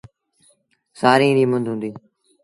سآريٚݩ ريٚ مند هُݩديٚ۔